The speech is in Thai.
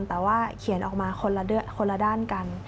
แต่ว่าเขียนออกมาคนละด้านกัน